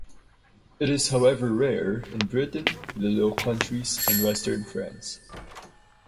It is however rare in Britain, the Low Countries and western France.